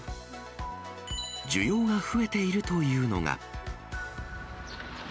需要が増えているというのが。